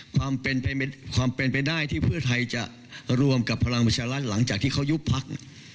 ความเป็นไปได้ที่เพื่อไทยจะรวมกับพลังประชารัฐหลังจากที่เขายุบพัก